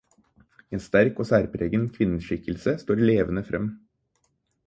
En sterk og særpreget kvinneskikkelse står levende frem.